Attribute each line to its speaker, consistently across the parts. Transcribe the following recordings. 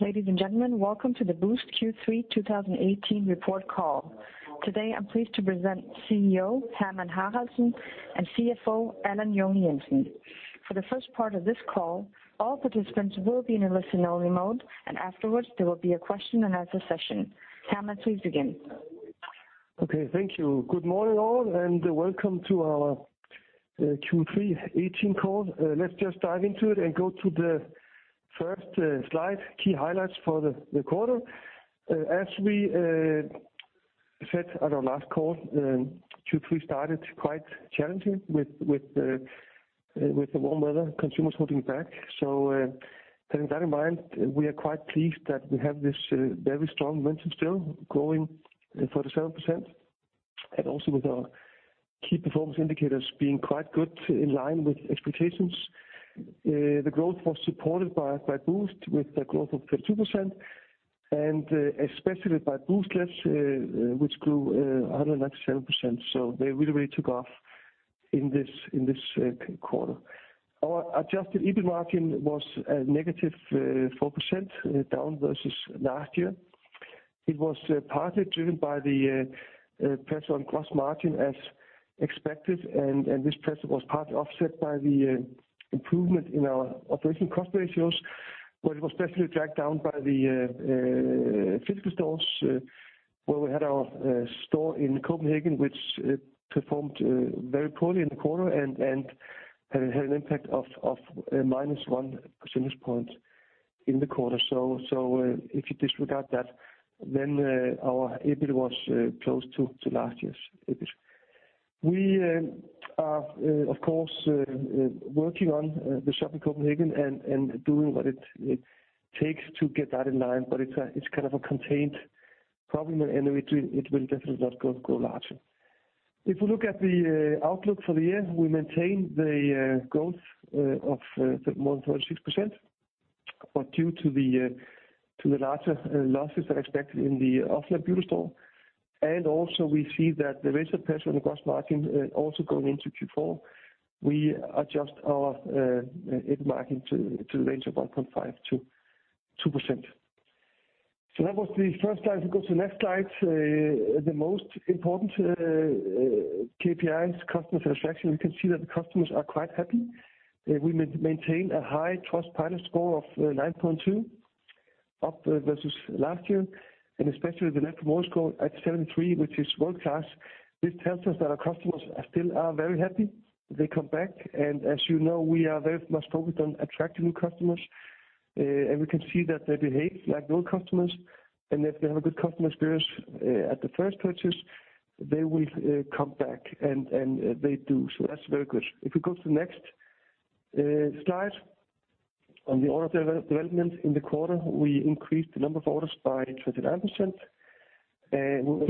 Speaker 1: Ladies and gentlemen, welcome to the Boozt Q3 2018 report call. Today, I'm pleased to present CEO, Hermann Haraldsson, and CFO, Allan Junge-Jensen. For the first part of this call, all participants will be in a listen-only mode, and afterwards, there will be a question and answer session. Hermann, please begin.
Speaker 2: Okay, thank you. Good morning, all, and welcome to our Q3 2018 call. Let's just dive into it and go to the first slide, key highlights for the quarter. As we said on our last call, Q3 started quite challenging with the warm weather, consumers holding back. So, having that in mind, we are quite pleased that we have this very strong momentum still, growing 37%, and also with our key performance indicators being quite good, in line with expectations. The growth was supported by Boozt, with a growth of 32%, and especially by Booztlet, which grew 197%. So they really, really took off in this quarter. Our adjusted EBIT margin was -4%, down versus last year. It was partly driven by the pressure on gross margin as expected, and this pressure was partly offset by the improvement in our operating cost ratios. But it was definitely dragged down by the physical stores where we had our store in Copenhagen, which performed very poorly in the quarter and had an impact of minus 1 percentage point in the quarter. So if you disregard that, then our EBIT was close to last year's EBIT. We are of course working on the shop in Copenhagen and doing what it takes to get that in line, but it's kind of a contained problem, and it will definitely not go larger. If we look at the outlook for the year, we maintain the growth of more than 46%, but due to the larger losses that are expected in the offline beauty store, and also we see that the rate of pressure on the gross margin also going into Q4, we adjust our EBIT margin to the range of 1.5%-2%. So that was the first slide. If we go to the next slide, the most important KPIs, customer satisfaction, we can see that the customers are quite happy. We maintain a high Trustpilot score of 9.2, up versus last year, and especially the Net Promoter Score at 73, which is world-class. This tells us that our customers are still very happy. They come back, and as you know, we are very much focused on attracting new customers, and we can see that they behave like old customers, and if they have a good customer experience, at the first purchase, they will, come back, and they do. So that's very good. If we go to the next, slide, on the order development in the quarter, we increased the number of orders by 29%, and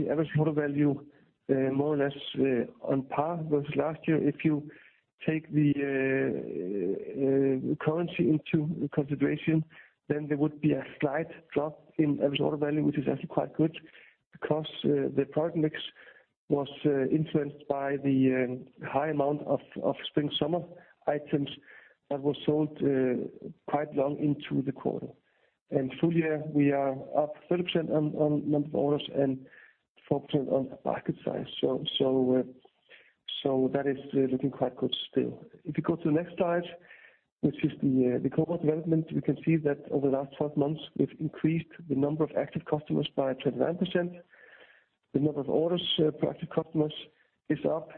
Speaker 2: the average order value, more or less, on par versus last year. If you take the, currency into consideration, then there would be a slight drop in average order value, which is actually quite good, because, the product mix was, influenced by the, high amount of, of spring/summer items that were sold, quite long into the quarter. Full year, we are up 13% on number of orders and 4% on market size. So that is looking quite good still. If you go to the next slide, which is the cohort development, we can see that over the last 12 months, we've increased the number of active customers by 29%. The number of orders per active customers is up,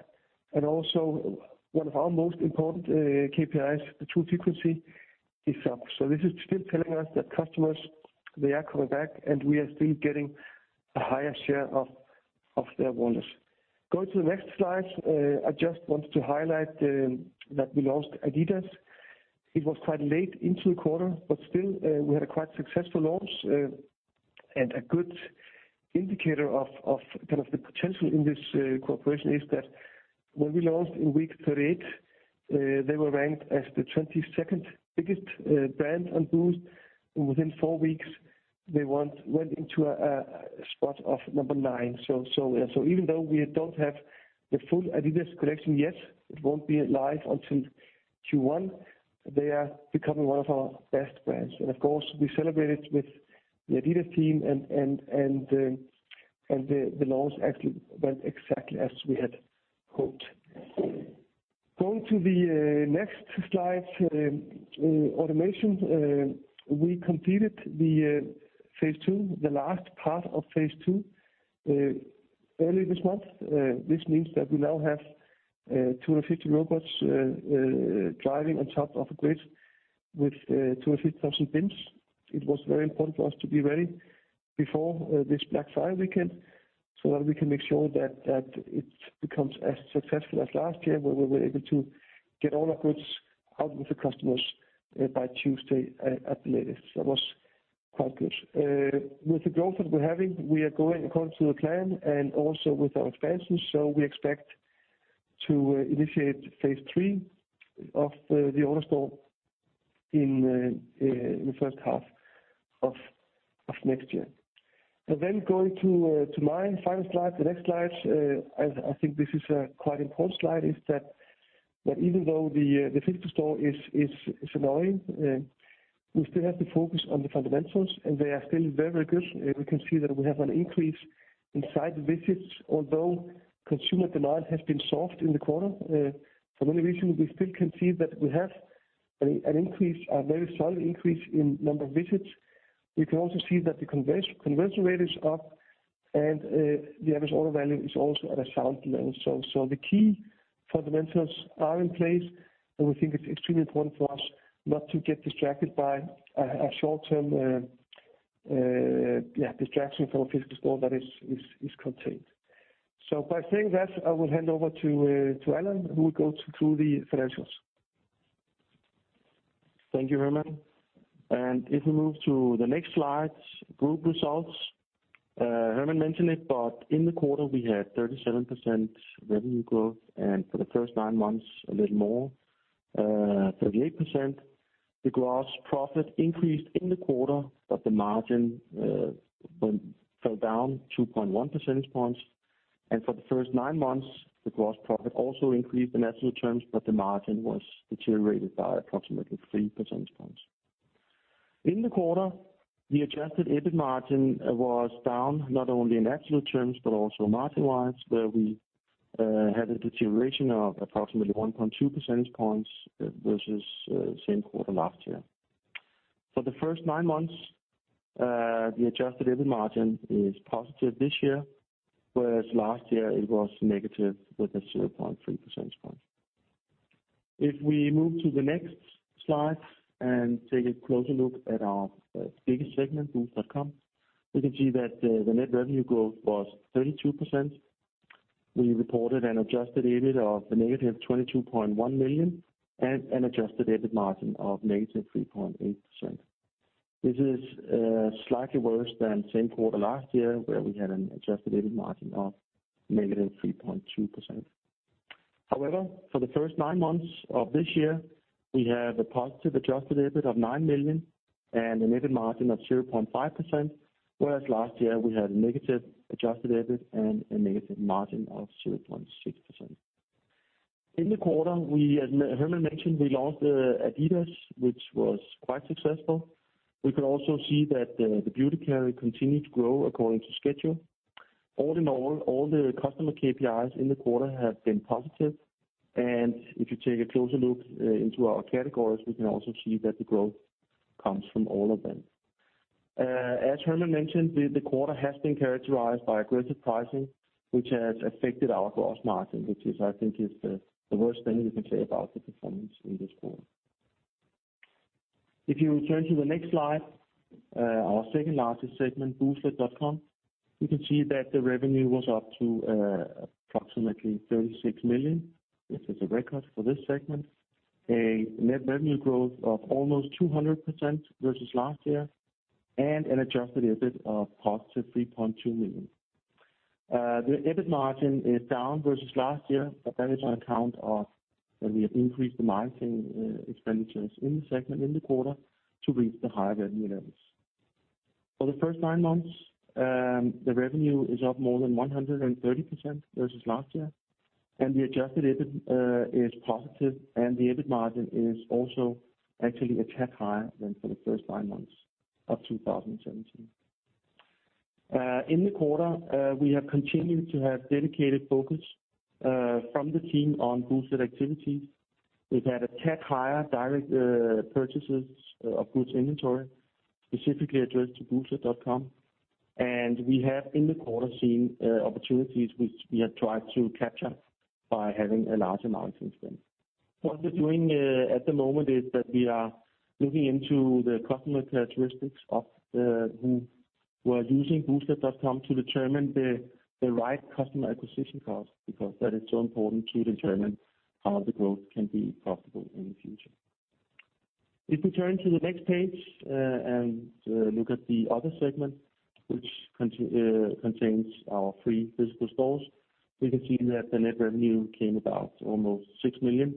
Speaker 2: and also one of our most important KPIs, the true frequency, is up. So this is still telling us that customers, they are coming back, and we are still getting a higher share of their orders. Going to the next slide, I just wanted to highlight that we launched Adidas. It was quite late into the quarter, but still, we had a quite successful launch, and a good indicator of kind of the potential in this cooperation is that when we launched in week 38, they were ranked as the 22nd biggest brand on Boozt. Within 4 weeks, they went into a spot of number 9. So even though we don't have the full Adidas collection yet, it won't be live until Q1, they are becoming one of our best brands. And of course, we celebrated with the Adidas team and the launch actually went exactly as we had hoped. Going to the next slide, automation, we completed the phase 2, the last part of phase 2, early this month. This means that we now have 250 robots driving on top of a grid with 250,000 bins. It was very important for us to be ready before this Black Friday weekend, so that we can make sure that it becomes as successful as last year, where we were able to get all our goods out with the customers by Tuesday at the latest. That was quite good. With the growth that we're having, we are going according to the plan and also with our expansion, so we expect to initiate phase three of the AutoStore in the first half of next year. So then going to my final slide, the next slide, as I think this is a quite important slide, is that even though the physical store is annoying, we still have to focus on the fundamentals, and they are still very good. We can see that we have an increase in site visits, although consumer demand has been soft in the quarter. For many reasons, we still can see that we have an increase, a very solid increase in number of visits. We can also see that the conversion rate is up, and the average order value is also at a sound level. So, the key fundamentals are in place, and we think it's extremely important for us not to get distracted by a short-term distraction from a physical store that is contained. So by saying that, I will hand over to Allan, who will go through the financials.
Speaker 3: Thank you, Hermann. If we move to the next slide, group results. Hermann mentioned it, but in the quarter we had 37% revenue growth, and for the first nine months, a little more, 38%. The gross profit increased in the quarter, but the margin fell down 2.1 percentage points, and for the first nine months, the gross profit also increased in absolute terms, but the margin was deteriorated by approximately 3 percentage points. In the quarter, the adjusted EBIT margin was down, not only in absolute terms, but also margin-wise, where we had a deterioration of approximately 1.2 percentage points versus same quarter last year. For the first nine months, the adjusted EBIT margin is positive this year, whereas last year it was negative with a 0.3 percentage point. If we move to the next slide and take a closer look at our biggest segment, Boozt.com, we can see that the net revenue growth was 32%. We reported an adjusted EBIT of -22.1 million, and an adjusted EBIT margin of -3.8%. This is slightly worse than same quarter last year, where we had an adjusted EBIT margin of -3.2%. However, for the first nine months of this year, we have a positive adjusted EBIT of 9 million and an EBIT margin of 0.5%, whereas last year we had a negative adjusted EBIT and a negative margin of -0.6%. In the quarter, as Hermann mentioned, we launched Adidas, which was quite successful. We could also see that, the beauty category continued to grow according to schedule. All in all, all the customer KPIs in the quarter have been positive, and if you take a closer look, into our categories, we can also see that the growth comes from all of them. As Hermann mentioned, the quarter has been characterized by aggressive pricing, which has affected our gross margin, which is, I think, the worst thing we can say about the performance in this quarter. If you turn to the next slide, our second largest segment, Booztlet.com, you can see that the revenue was up to, approximately 36 million, which is a record for this segment. A net revenue growth of almost 200% versus last year, and an adjusted EBIT of positive 3.2 million. The EBIT margin is down versus last year, but that is on account of that we have increased the marketing expenditures in the segment in the quarter to reach the higher revenue levels. For the first nine months, the revenue is up more than 130% versus last year, and the adjusted EBIT is positive, and the EBIT margin is also actually a tad higher than for the first nine months of 2017. In the quarter, we have continued to have dedicated focus from the team on Booztlet activities. We've had a tad higher direct purchases of goods inventory, specifically addressed to Booztlet.com, and we have, in the quarter, seen opportunities which we have tried to capture by having a large amount in spend. What we're doing at the moment is that we are looking into the customer characteristics of who were using Booztlet.com to determine the, the right customer acquisition cost, because that is so important to determine how the growth can be profitable in the future. If we turn to the next page and look at the other segment, which contains our three physical stores, we can see that the net revenue came about almost 6 million,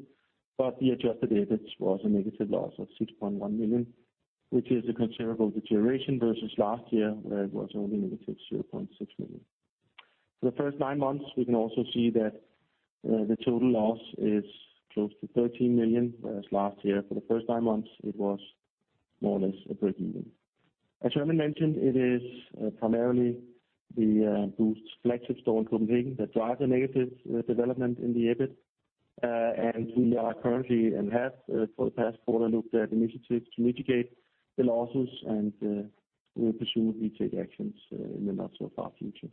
Speaker 3: but the adjusted EBIT was a negative loss of 6.1 million, which is a considerable deterioration versus last year, where it was only negative 0.6 million. For the first nine months, we can also see that the total loss is close to 13 million, whereas last year for the first nine months it was more or less a break even. As Hermann mentioned, it is primarily the Boozt flagship store in Copenhagen that drives the negative development in the EBIT. We are currently and have for the past quarter looked at initiatives to mitigate the losses, and we will presumably take actions in the not so far future.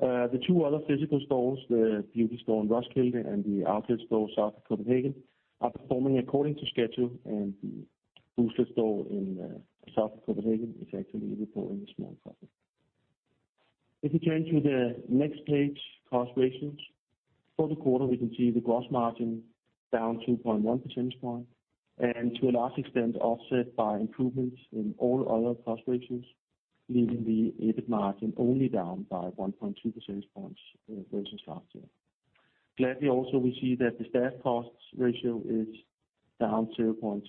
Speaker 3: The two other physical stores, the beauty store in Roskilde and the outlet store south of Copenhagen, are performing according to schedule, and the Booztlet store in south of Copenhagen is actually reporting a small profit. If you turn to the next page, cost ratios. For the quarter, we can see the gross margin down 2.1 percentage point, and to a large extent, offset by improvements in all other cost ratios, leaving the EBIT margin only down by 1.2 percentage points versus last year. Gladly also, we see that the staff costs ratio is down 0.2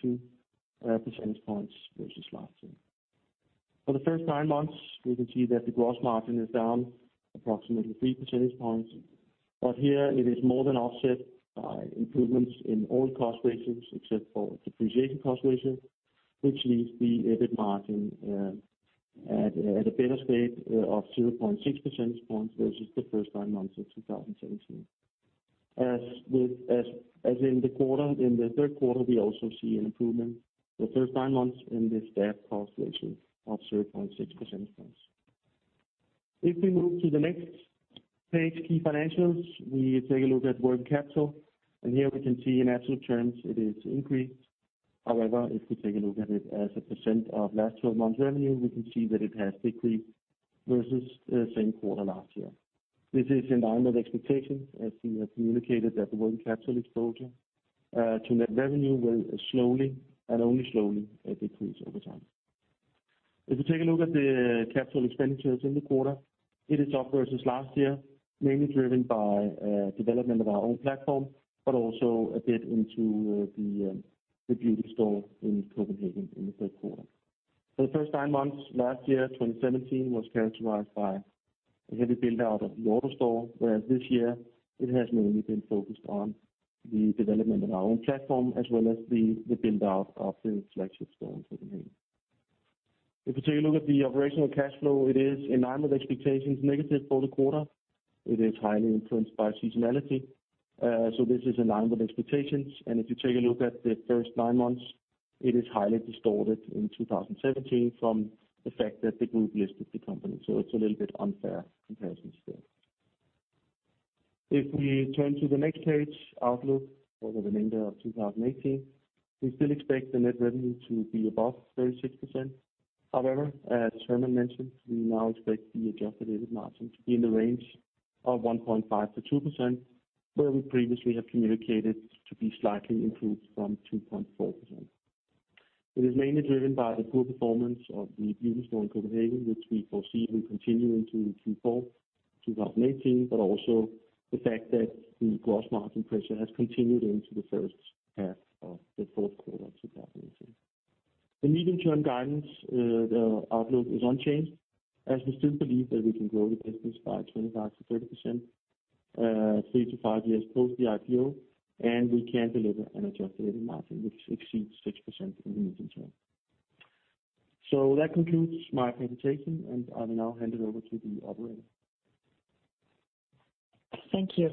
Speaker 3: percentage points versus last year. For the first 9 months, we can see that the gross margin is down approximately 3 percentage points, but here it is more than offset by improvements in all cost ratios, except for depreciation cost ratio, which leaves the EBIT margin at a better state of 0.6 percentage points versus the first 9 months of 2017. As in the third quarter, we also see an improvement the first 9 months in the staff cost ratio of 0.6 percentage points. If we move to the next page, Key Financials, we take a look at working capital, and here we can see in absolute terms it is increased. However, if we take a look at it as a % of last twelve months revenue, we can see that it has decreased versus the same quarter last year. This is in line with expectations, as we have communicated that the working capital exposure to net revenue will slowly, and only slowly, decrease over time. If you take a look at the capital expenditures in the quarter, it is up versus last year, mainly driven by development of our own platform, but also a bit into the beauty store in Copenhagen in the third quarter. For the first nine months, last year, 2017, was characterized by a heavy build-out of the outlet store, whereas this year it has mainly been focused on the development of our own platform, as well as the build-out of the flagship store in Copenhagen. If you take a look at the operational cash flow, it is in line with expectations, negative for the quarter. It is highly influenced by seasonality, so this is in line with expectations. If you take a look at the first 9 months, it is highly distorted in 2017 from the fact that the group listed the company, so it's a little bit unfair comparison there. If we turn to the next page, Outlook for the remainder of 2018, we still expect the net revenue to be above 36%. However, as Hermann mentioned, we now expect the adjusted EBIT margin to be in the range of 1.5%-2%, where we previously have communicated to be slightly improved from 2.4%. It is mainly driven by the poor performance of the beauty store in Copenhagen, which we foresee will continue into Q4 2018, but also the fact that the gross margin pressure has continued into the first half of the fourth quarter of 2018. The medium-term guidance, the outlook is unchanged, as we still believe that we can grow the business by 25%-30%, 3-5 years post the IPO, and we can deliver an adjusted EBIT margin which exceeds 6% in the medium term. So that concludes my presentation, and I will now hand it over to the operator.
Speaker 1: Thank you.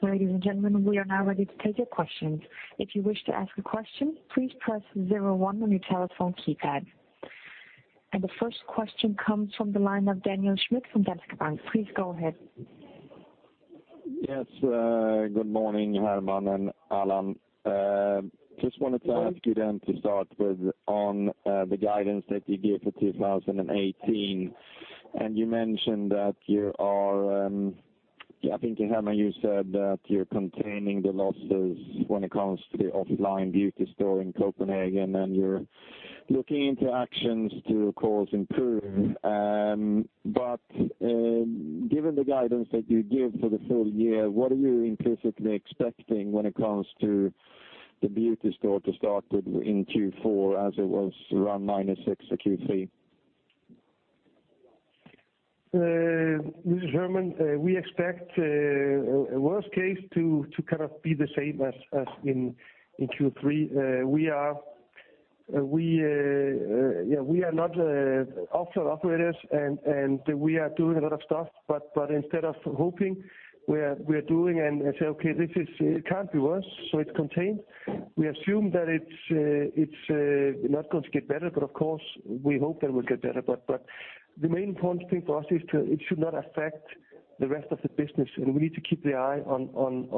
Speaker 1: Ladies and gentlemen, we are now ready to take your questions. If you wish to ask a question, please press zero one on your telephone keypad. The first question comes from the line of Daniel Schmidt from Danske Bank. Please go ahead.
Speaker 4: Yes, good morning, Hermann and Allan. Just wanted to ask you then to start with on the guidance that you gave for 2018. And you mentioned that you are, I think, Hermann, you said that you're containing the losses when it comes to the offline beauty store in Copenhagen, and you're looking into actions to, of course, improve. But, given the guidance that you give for the full year, what are you implicitly expecting when it comes to the beauty store to start with in Q4, as it was around -6 for Q3?
Speaker 2: This is Hermann. We expect a worst case to kind of be the same as in Q3. We are, yeah, we are not offline operators, and we are doing a lot of stuff, but instead of hoping, we are doing and saying, "Okay, this is it can't be worse, so it's contained." We assume that it's not going to get better, but of course, we hope that it will get better. But the main important thing for us is to—it should not affect the rest of the business, and we need to keep the eye on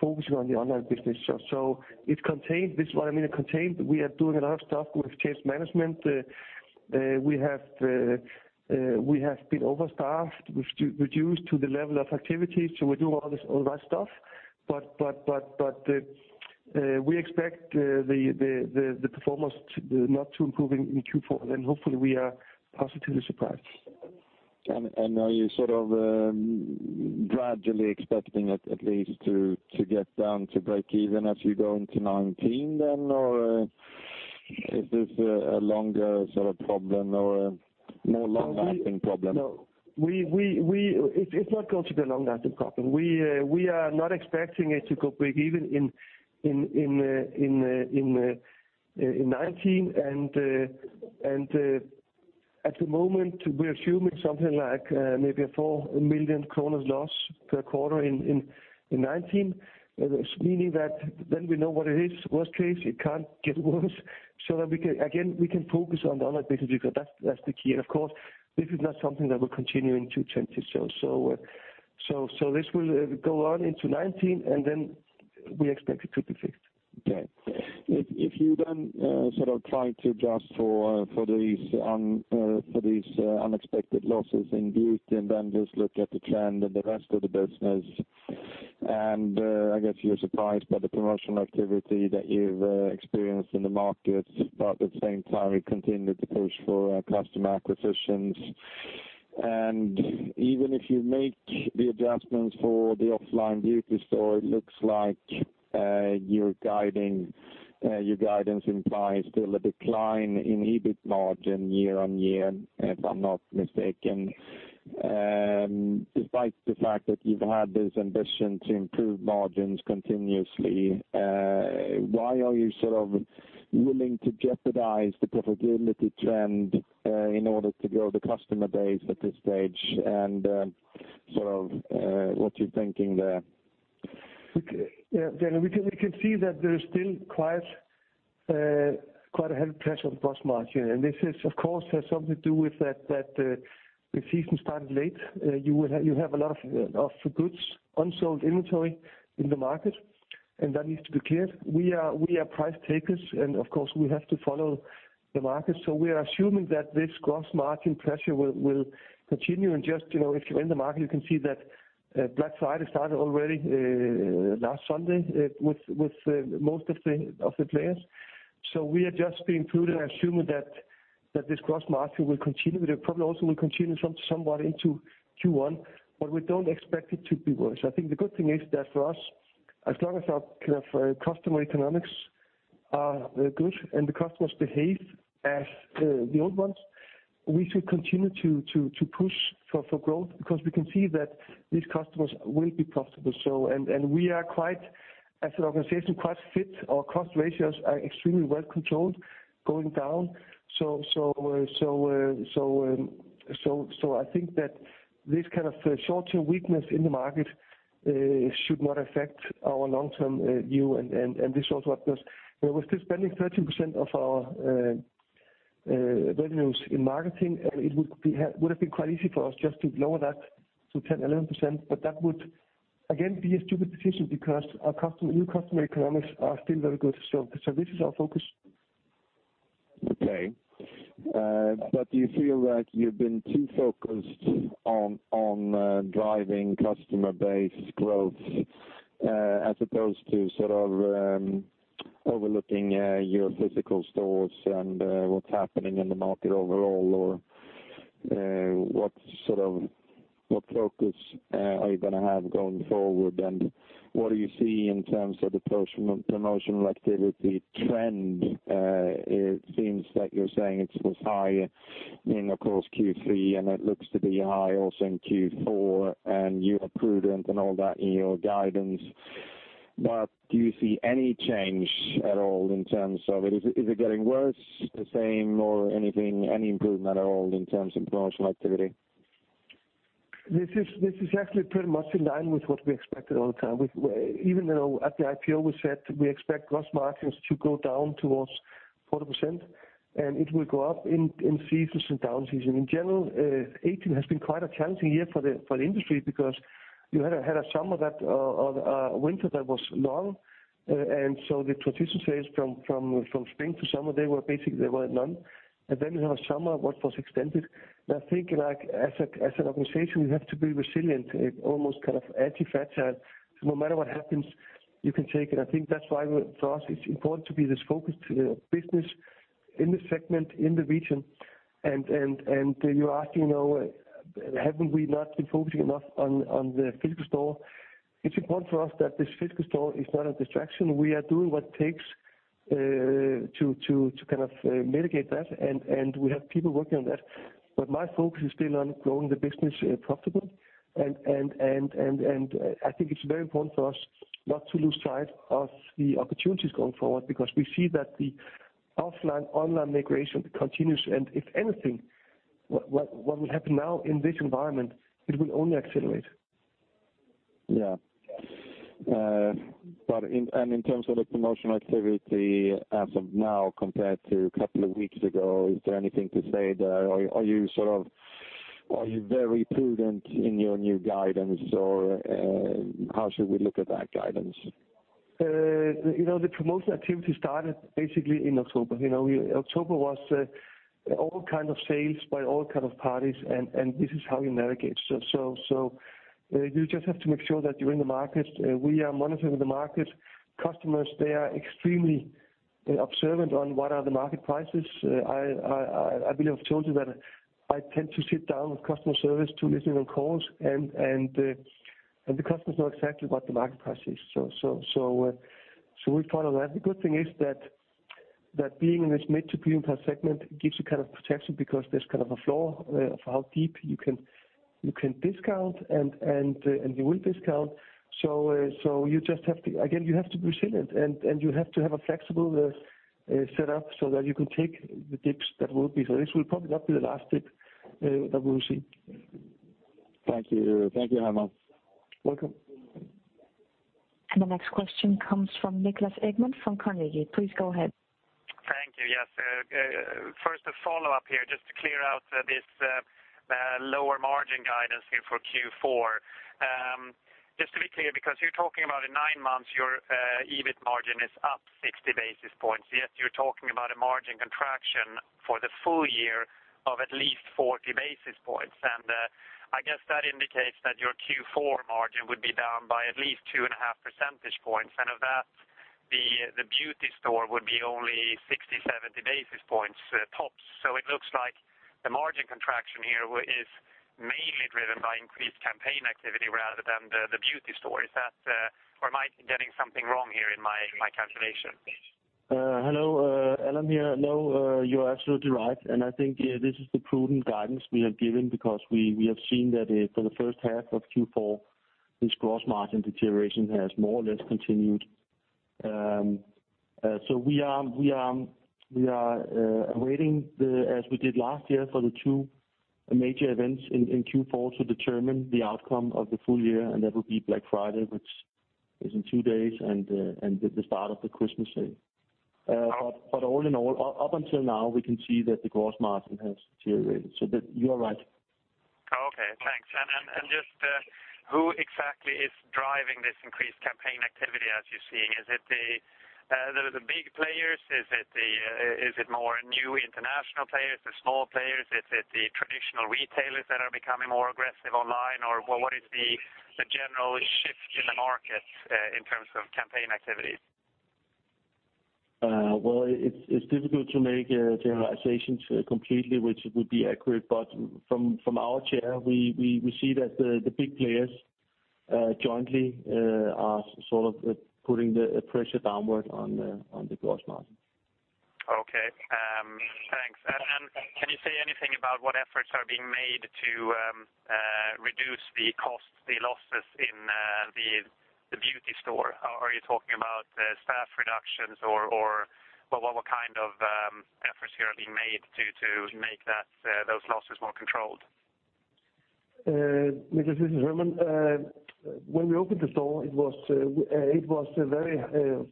Speaker 2: focusing on the online business. So it's contained. This is what I mean, it's contained. We are doing a lot of stuff with change management. We have been overstaffed, which reduced to the level of activity, so we do all this, all that stuff. But we expect the performance not to improve in Q4, and hopefully we are positively surprised.
Speaker 4: Are you sort of gradually expecting at least to get down to breakeven as you go into 2019 then? Or, is this a longer sort of problem or a more long-lasting problem?
Speaker 2: No, we—it's not going to be a long-lasting problem. We are not expecting it to go breakeven in 2019. At the moment, we're assuming something like maybe a 4 million kronor loss per quarter in 2019. Meaning that then we know what it is, worst case, it can't get worse. So that we can, again, we can focus on the other business, because that's the key. Of course, this is not something that will continue into 2022. So this will go on into 2019, and then we expect it to be fixed.
Speaker 4: Okay. If you then sort of try to adjust for these unexpected losses in beauty, and then just look at the trend and the rest of the business, and I guess you're surprised by the promotional activity that you've experienced in the market, but at the same time, you continued to push for customer acquisitions. Even if you make the adjustments for the offline beauty store, it looks like you're guiding your guidance implies still a decline in EBIT margin year-on-year, if I'm not mistaken. Despite the fact that you've had this ambition to improve margins continuously, why are you sort of willing to jeopardize the profitability trend in order to grow the customer base at this stage? Sort of what you're thinking there.
Speaker 2: Yeah, Dan, we can see that there is still quite a heavy pressure on gross margin, and this is, of course, has something to do with that, that the season started late. You have a lot of goods, unsold inventory in the market, and that needs to be cleared. We are price takers, and of course, we have to follow the market. So we are assuming that this gross margin pressure will continue, and just, you know, if you're in the market, you can see that Black Friday started already last Sunday with most of the players. So we are just being prudent and assuming that this gross margin will continue. It probably also will continue somewhat into Q1, but we don't expect it to be worse. I think the good thing is that for us, as long as our kind of customer economics are good and the customers behave as the old ones, we should continue to push for growth. Because we can see that these customers will be profitable, so... We are quite, as an organization, quite fit. Our cost ratios are extremely well controlled, going down. So I think that this kind of short-term weakness in the market should not affect our long-term view, and this is also what does- We're still spending 13% of our revenues in marketing, and it would have been quite easy for us just to lower that to 10, 11%. That would, again, be a stupid decision, because our customer, new customer economics are still very good. So, this is our focus.
Speaker 4: Okay. But do you feel that you've been too focused on driving customer base growth as opposed to sort of overlooking your physical stores and what's happening in the market overall? Or what sort of focus are you gonna have going forward, and what do you see in terms of the promotion, promotional activity trend? It seems that you're saying it was high in, of course, Q3, and it looks to be high also in Q4, and you are prudent and all that in your guidance. But do you see any change at all in terms of it? Is it getting worse, the same, or anything, any improvement at all in terms of promotional activity?
Speaker 2: This is actually pretty much in line with what we expected all the time. With even, you know, at the IPO, we said we expect gross margins to go down towards 40%, and it will go up in season and down season. In general, 2018 has been quite a challenging year for the industry, because you had a summer that a winter that was long, and so the transition phase from spring to summer, they were basically, there were none. And then we had a summer what was extended. I think, like, as an organization, we have to be resilient, almost kind of antifragile. No matter what happens, you can take it. I think that's why for us, it's important to be this focused to the business in this segment, in the region. You're asking, you know, have we not been focusing enough on the physical store? It's important for us that this physical store is not a distraction. We are doing what it takes to kind of mitigate that, and we have people working on that. But my focus is still on growing the business profitable, and I think it's very important for us not to lose sight of the opportunities going forward, because we see that the offline, online migration continues, and if anything, what will happen now in this environment, it will only accelerate.
Speaker 4: Yeah. But in and in terms of the promotional activity as of now compared to a couple of weeks ago, is there anything to say there, or are you sort of - are you very prudent in your new guidance, or how should we look at that guidance?
Speaker 2: You know, the promotional activity started basically in October. You know, October was all kind of sales by all kind of parties, and this is how you navigate. So, you just have to make sure that you're in the market. We are monitoring the market. Customers, they are extremely observant on what are the market prices. I believe I've told you that I tend to sit down with customer service to listen on calls, and the customers know exactly what the market price is. So, we follow that. The good thing is that being in this mid to premium price segment gives you kind of protection, because there's kind of a floor for how deep you can discount, and you will discount. So, you just have to, again, you have to be resilient, and you have to have a flexible setup so that you can take the dips that will be. So this will probably not be the last dip that we will see.
Speaker 4: Thank you. Thank you, Hermann.
Speaker 2: Welcome.
Speaker 1: The next question comes from Niklas Ekman, from Carnegie. Please go ahead.
Speaker 5: Thank you. Yes, first, a follow-up here, just to clear out this lower margin guidance here for Q4. Just to be clear, because you're talking about in nine months, your EBIT margin is up 60 basis points, yet you're talking about a margin contraction for the full year of at least 40 basis points. I guess that indicates that your Q4 margin would be down by at least 2.5 percentage points, and of that the beauty store would be only 60-70 basis points, tops. So it looks like the margin contraction here is mainly driven by increased campaign activity rather than the beauty store. Is that, or am I getting something wrong here in my calculation?
Speaker 3: Hello, Allan here. No, you're absolutely right, and I think, yeah, this is the prudent guidance we have given because we have seen that, for the first half of Q4, this gross margin deterioration has more or less continued. So we are awaiting the, as we did last year, for the two major events in Q4 to determine the outcome of the full year, and that will be Black Friday, which is in two days, and the start of the Christmas sale. But all in all, up until now, we can see that the gross margin has deteriorated, so that you are right.
Speaker 5: Oh, okay, thanks. And just who exactly is driving this increased campaign activity as you're seeing? Is it the big players? Is it more new international players, the small players? Is it the traditional retailers that are becoming more aggressive online, or what is the general shift in the market in terms of campaign activity?
Speaker 3: Well, it's difficult to make generalizations completely which would be accurate. But from our chair, we see that the big players jointly are sort of putting the pressure downward on the gross margin.
Speaker 5: Okay, thanks. And can you say anything about what efforts are being made to reduce the cost, the losses in the beauty store? Are you talking about staff reductions or... What kind of efforts are being made to make those losses more controlled?
Speaker 2: Niklas, this is Hermann. When we opened the store, it was a very kind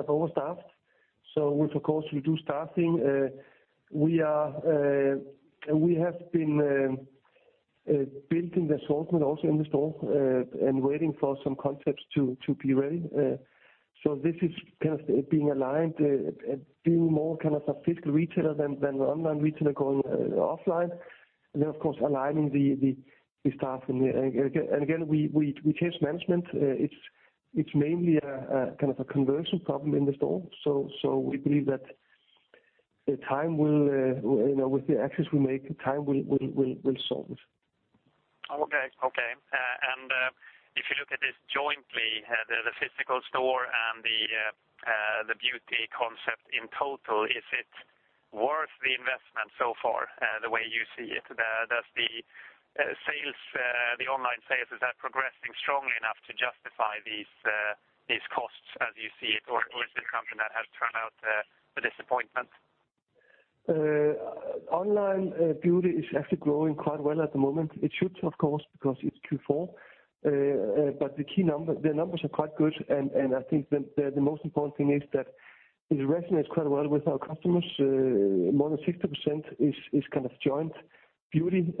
Speaker 2: of overstaffed, so which of course we do staffing. We have been building the assortment also in the store and waiting for some concepts to be ready. So this is kind of being aligned, being more kind of a physical retailer than an online retailer going offline, and then, of course, aligning the staff in the… And again, we changed management. It's mainly a kind of a conversion problem in the store. So we believe that the time will, you know, with the actions we make, time will solve it.
Speaker 5: Okay, okay. And, if you look at this jointly, the physical store and the beauty concept in total, is it worth the investment so far, the way you see it? Does the sales, the online sales, is that progressing strongly enough to justify these costs as you see it, or is it something that has turned out a disappointment?
Speaker 2: Online, beauty is actually growing quite well at the moment. It should, of course, because it's Q4. But the key number-the numbers are quite good, and I think the most important thing is that it resonates quite well with our customers. More than 60% is kind of joint beauty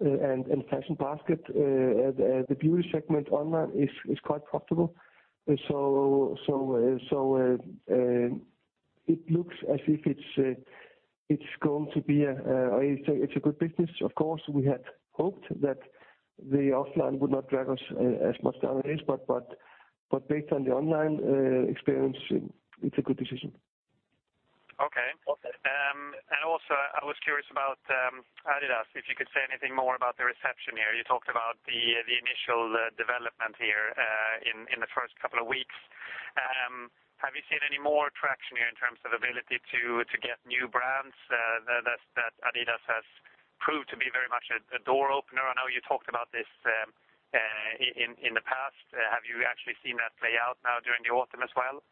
Speaker 2: and fashion basket. The beauty segment online is quite profitable. So, it looks as if it's going to be a good business. Of course, we had hoped that the offline would not drag us as much down as, but based on the online experience, it's a good decision.
Speaker 5: Okay. And also, I was curious about Adidas, if you could say anything more about the reception here. You talked about the initial development here in the first couple of weeks. Have you seen any more traction here in terms of ability to get new brands that Adidas has proved to be very much a door opener? I know you talked about this in the past. Have you actually seen that play out now during the autumn as well?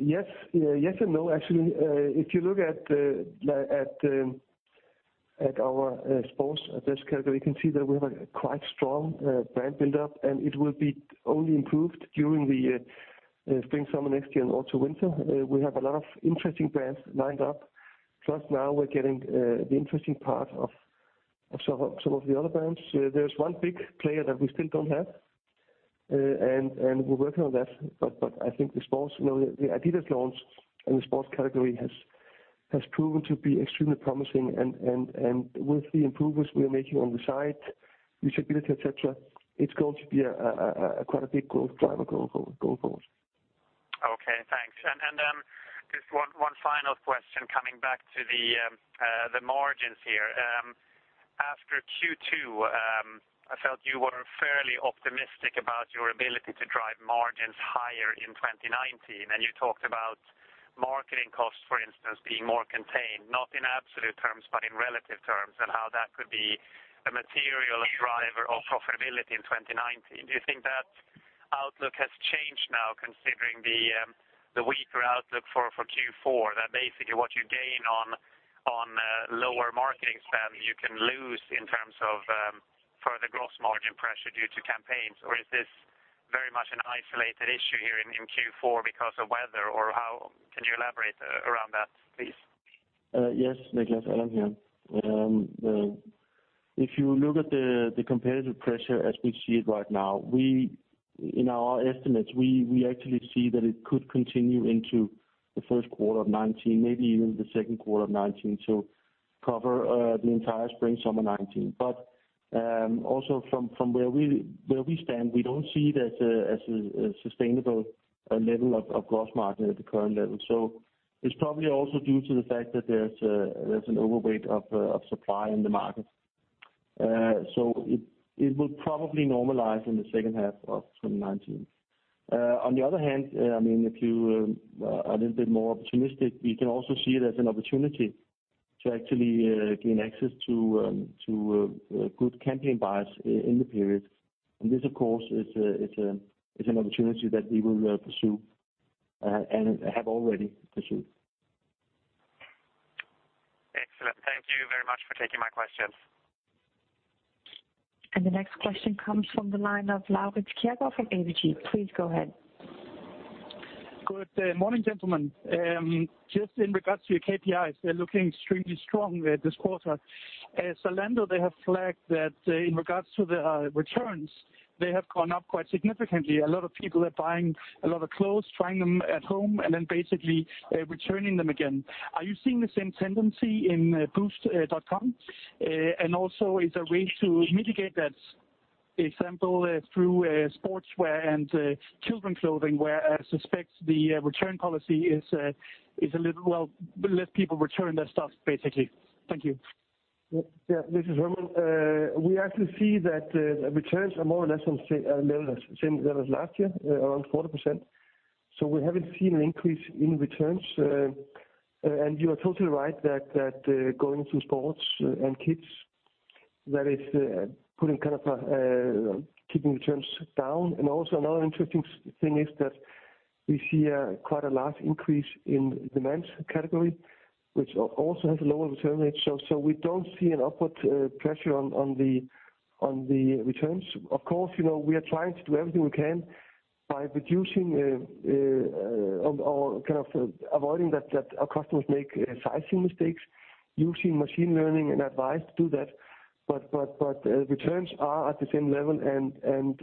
Speaker 2: Yes, yes and no. Actually, if you look at our sports category, you can see that we have a quite strong brand build-up, and it will be only improved during the spring, summer next year, and also winter. We have a lot of interesting brands lined up. Just now we're getting the interesting part of some of the other brands. There's one big player that we still don't have, and we're working on that, but I think the sports, you know, the Adidas launch in the sports category has proven to be extremely promising, and with the improvements we are making on the site, usability, et cetera, it's going to be quite a big growth driver going forward.
Speaker 5: Okay, thanks. And just one final question, coming back to the margins here. After Q2, I felt you were fairly optimistic about your ability to drive margins higher in 2019, and you talked about marketing costs, for instance, being more contained, not in absolute terms, but in relative terms, and how that could be a material driver of profitability in 2019. Do you think that outlook has changed now, considering the weaker outlook for Q4? That basically what you gain on lower marketing spend, you can lose in terms of further gross margin pressure due to campaigns, or is this very much an isolated issue here in Q4 because of weather, or how? Can you elaborate around that, please?
Speaker 3: Yes, Niklas, Allan here. If you look at the competitive pressure as we see it right now, in our estimates, we actually see that it could continue into the first quarter of 2019, maybe even the second quarter of 2019. So cover the entire spring, summer 2019. But also from where we stand, we don't see it as a sustainable level of gross margin at the current level. So it's probably also due to the fact that there's an overweight of supply in the market. So it will probably normalize in the second half of 2019. On the other hand, I mean, if you are a little bit more optimistic, you can also see it as an opportunity to actually gain access to good campaign buyers in the period. And this, of course, is an opportunity that we will pursue and have already pursued.
Speaker 5: Excellent. Thank you very much for taking my questions.
Speaker 1: The next question comes from the line of Laurits Kjaergaard from ABG. Please go ahead.
Speaker 6: Good morning, gentlemen. Just in regards to your KPIs, they're looking extremely strong this quarter. As Zalando, they have flagged that in regards to the returns, they have gone up quite significantly. A lot of people are buying a lot of clothes, trying them at home, and then basically returning them again. Are you seeing the same tendency in Boozt.com? And also, is there a way to mitigate that, for example, through sportswear and children clothing, where I suspect the return policy is a little, well, less people return that stuff, basically. Thank you.
Speaker 2: Yeah, this is Hermann. We actually see that returns are more or less on same level as last year, around 40%. So we haven't seen an increase in returns. And you are totally right that going into sports and kids, that is putting kind of keeping returns down. And also, another interesting thing is that we see quite a large increase in the men's category, which also has a lower return rate. So we don't see an upward pressure on the returns. Of course, you know, we are trying to do everything we can by reducing or kind of avoiding that our customers make sizing mistakes, using machine learning and advice to do that. But returns are at the same level, and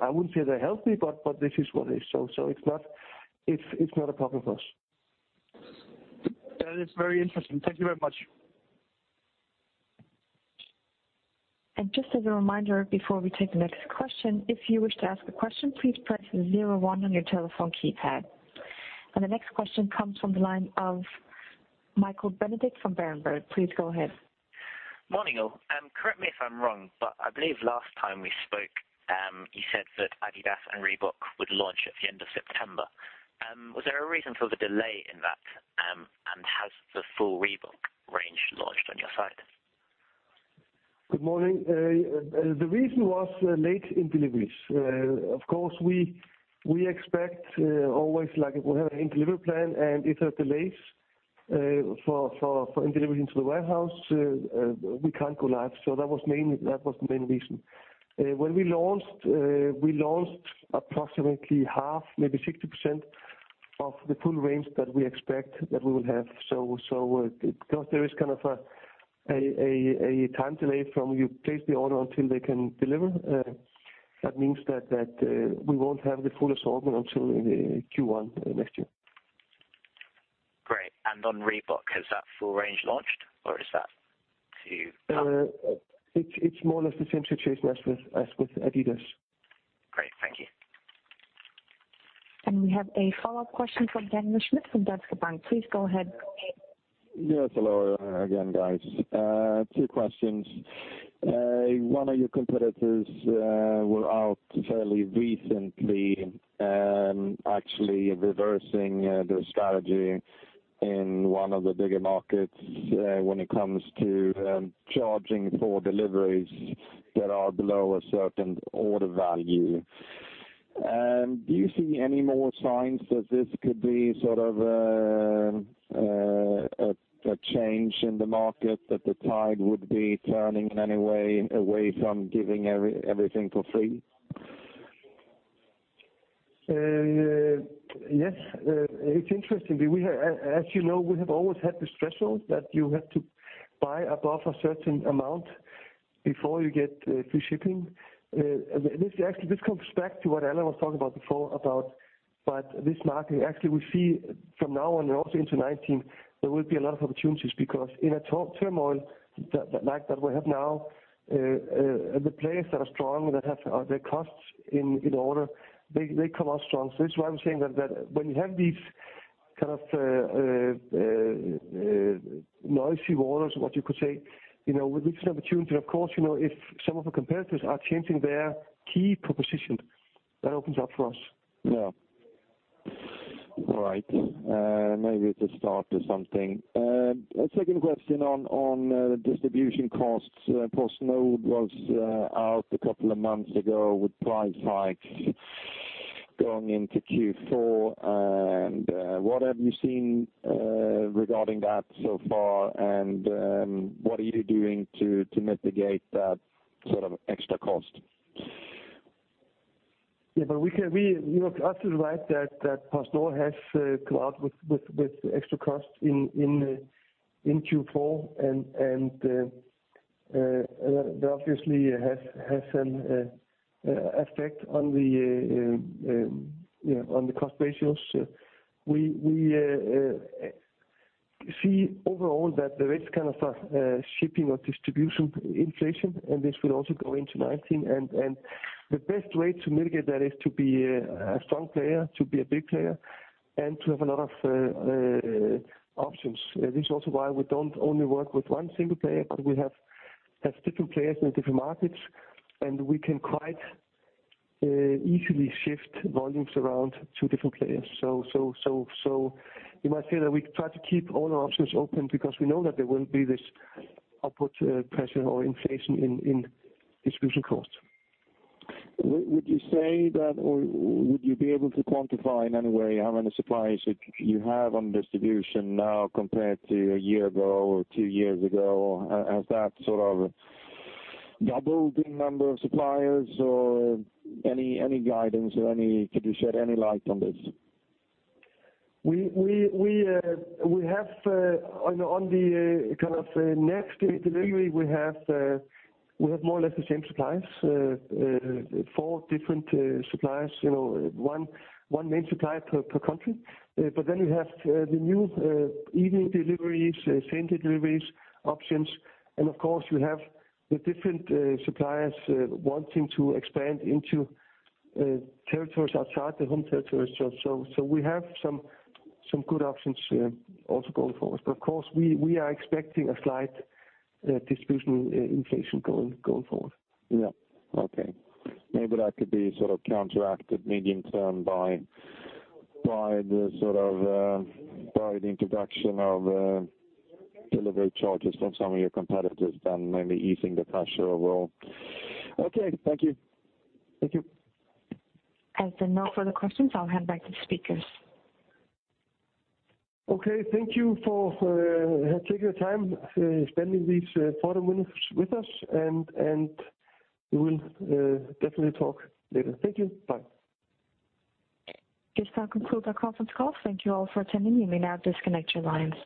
Speaker 2: I wouldn't say they're healthy, but this is what it is. So it's not a problem for us.
Speaker 6: That is very interesting. Thank you very much.
Speaker 1: Just as a reminder, before we take the next question, if you wish to ask a question, please press zero one on your telephone keypad. The next question comes from the line of Michael Benedict from Berenberg. Please go ahead.
Speaker 7: Morning all. Correct me if I'm wrong, but I believe last time we spoke, you said that Adidas and Reebok would launch at the end of September. Was there a reason for the delay in that? And has the full Reebok range launched on your side?
Speaker 2: Good morning. The reason was late in deliveries. Of course, we expect always, like, we have a in delivery plan, and if there are delays for in delivery into the warehouse, we can't go live. So that was mainly, that was the main reason. When we launched, we launched approximately half, maybe 60% of the full range that we expect that we will have. So, because there is kind of a time delay from you place the order until they can deliver, that means that we won't have the full assortment until the Q1 next year.
Speaker 7: Great. On Reebok, has that full range launched or is that to come?
Speaker 2: It's more or less the same situation as with Adidas.
Speaker 7: Great, thank you.
Speaker 1: We have a follow-up question from Daniel Schmidt from Danske Bank. Please go ahead.
Speaker 4: Yes, hello again, guys. Two questions. One of your competitors were out fairly recently, actually reversing their strategy in one of the bigger markets when it comes to charging for deliveries that are below a certain order value. Do you see any more signs that this could be sort of a change in the market, that the tide would be turning in any way away from giving everything for free?
Speaker 2: Yes, it's interesting. We have, as you know, we have always had this threshold, that you have to buy above a certain amount before you get free shipping. This actually comes back to what Allan was talking about before, about but this market, actually, we see from now and also into 2019, there will be a lot of opportunities, because in a turmoil like that we have now, the players that are strong, that have their costs in order, they come out strong. So that's why I'm saying that when you have these kind of noisy waters, what you could say, you know, with this opportunity, of course, you know, if some of our competitors are changing their key proposition, that opens up for us.
Speaker 4: Yeah. All right, maybe it's a start to something. A second question on distribution costs. PostNord was out a couple of months ago with price hikes going into Q4. What have you seen regarding that so far, and what are you doing to mitigate that sort of extra cost?
Speaker 2: Yeah, but we can, we -- you know, absolutely right that PostNord has come out with extra costs in Q4. That obviously has an effect on yeah, on the cost ratios. We see overall that there is kind of a shipping or distribution inflation, and this will also go into 2019. And the best way to mitigate that is to be a strong player, to be a big player, and to have a lot of options. This is also why we don't only work with one single player, but we have different players in different markets, and we can quite easily shift volumes around to different players. So you might say that we try to keep all our options open because we know that there will be this upward pressure or inflation in distribution costs.
Speaker 4: Would you say that, or would you be able to quantify in any way, how many suppliers you have on distribution now compared to a year ago or two years ago? Has that sort of doubled the number of suppliers, or any guidance or any... Could you shed any light on this?
Speaker 2: We have on the kind of next delivery, we have more or less the same suppliers. Four different suppliers, you know, one main supplier per country. But then you have the new evening deliveries, same-day deliveries options. Of course, you have the different suppliers wanting to expand into territories outside their home territories. We have some good options also going forward. But of course, we are expecting a slight distribution inflation going forward.
Speaker 4: Yeah. Okay. Maybe that could be sort of counteracted medium-term by the sort of introduction of delivery charges from some of your competitors, then maybe easing the pressure overall. Okay, thank you.
Speaker 2: Thank you.
Speaker 1: As there are no further questions, I'll hand back to speakers.
Speaker 2: Okay, thank you for taking the time, spending these 40 minutes with us, and we will definitely talk later. Thank you. Bye.
Speaker 1: This now concludes our conference call. Thank you all for attending. You may now disconnect your lines.